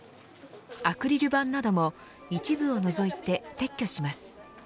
アクリル板なども一部を除いて撤去します。